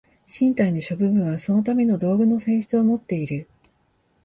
身体の諸部分はそのための道具の性質をもっている。